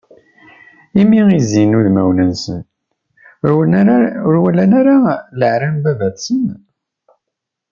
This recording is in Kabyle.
Imi i zzin wudmawen-nsen, ur walan ara leɛra n baba-tsen.